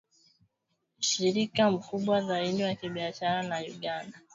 mshirika mkubwa zaidi wa kibiashara na Uganda